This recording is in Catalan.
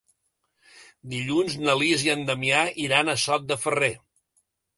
Dilluns na Lis i en Damià iran a Sot de Ferrer.